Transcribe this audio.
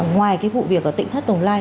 ngoài cái vụ việc ở tỉnh thất đồng lai